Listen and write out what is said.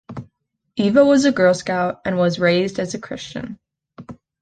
Iva was a Girl Scout, and was raised as a Christian.